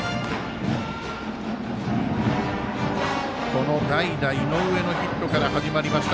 この代打、井上のヒットから始まりました。